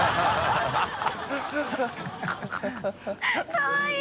かわいい！